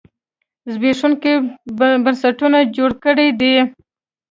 زبېښونکي بنسټونه جوړ کړي دي.